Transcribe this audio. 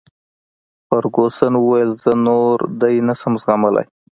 فرګوسن وویل: زه نور دی نه شم زغملای.